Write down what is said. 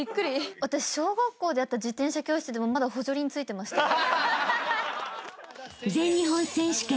私小学校でやった自転車教室でもまだ補助輪付いてましたよ。